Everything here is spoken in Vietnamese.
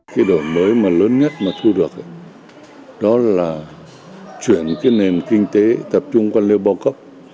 cái đổi mới mà lớn nhất mà thu được đó là chuyển cái nền kinh tế tập trung quan liêu bao cấp